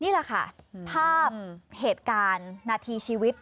นี่แหละค่ะภาพเหตุการณ์นาทีชีวิต